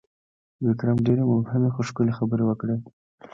ویکرم ډېرې مبهمې، خو ښکلي خبرې وکړې: